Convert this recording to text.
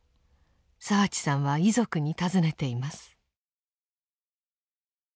澤地さんは遺族に尋ねています。